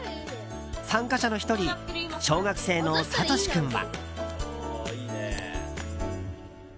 参加者の１人小学生のさとし君は。